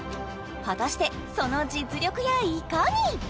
果たしてその実力やいかに！？